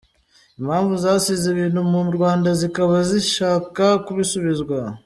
Impunzi zasize ibintu mu Rwanda zikaba zishaka kubisubizwa